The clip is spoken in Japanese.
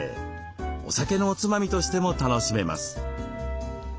お酒のおつまみとしても楽しめます。